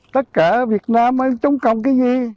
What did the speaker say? tất cả việt nam mà chống cộng cái gì